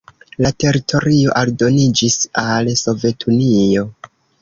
La teritorio aldoniĝis al Sovetunio.